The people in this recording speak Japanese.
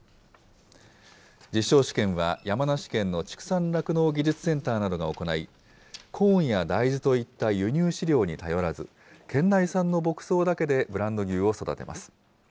実証試験は、山梨県の畜産酪農技術センターなどが行い、コーンや大豆といった輸入飼料に頼らず、県内産の牧草だけでブランド牛を育てます。